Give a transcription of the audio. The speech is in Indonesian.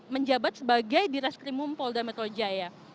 menjabat sebagai diraskrimum polda metro jaya